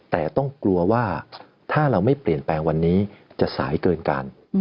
แต่ต้องกลัวว่าถ้าเราไม่เปลี่ยนแปลงวันนี้จะสายเกินกัน